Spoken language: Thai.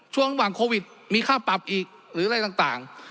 ช่วงระหว่างโควิดมีค่าปรับอีกหรืออะไรต่าง